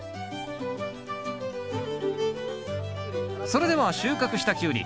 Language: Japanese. それでは収穫したキュウリ